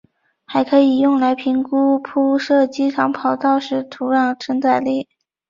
还可用来评估铺设机场跑道时的土壤承载力。